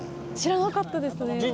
知らなかったですね。